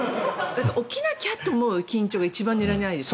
起きなきゃという緊張が一番寝られないです。